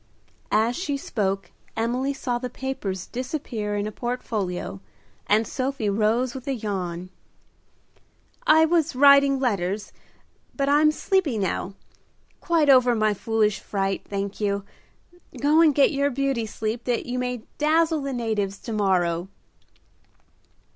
As she spoke Emily saw the papers disappear in a portfolio, and Sophie rose with a yawn. "I was writing letters, but I'm sleepy now. Quite over my foolish fright, thank you. Go and get your beauty sleep that you may dazzle the natives to morrow."